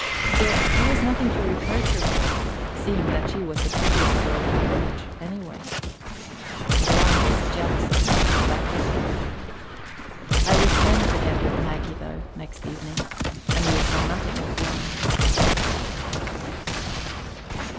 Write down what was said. Still, it was nothing to reproach her for, seeing that she was the prettiest girl in the village, anyway. Glahn was jealous of me, that was all. I was friends again with Maggie, though, next evening, and we saw nothing of Glahn.